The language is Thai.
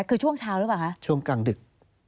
คือช่วงเช้าหรือเปล่าคะช่วงกลางดึก